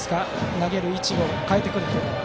投げる位置を変えてくるというのは。